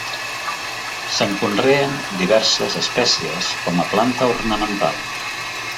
Se'n conreen diverses espècies com a planta ornamental.